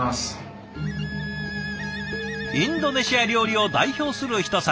インドネシア料理を代表するひと皿。